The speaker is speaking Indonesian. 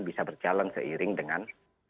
bisa berjalan seiring dengan